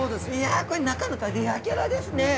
これなかなかレアキャラですね！